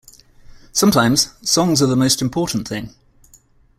Sometimes, songs are the most important thing.